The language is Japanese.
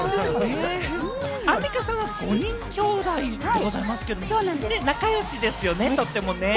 アンミカさんは５人きょうだいでございますけれども、仲良しですよね、とてもね。